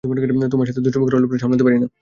তোমার সাথে দুষ্টুমি করার লোভটা সামলাতে পারি না!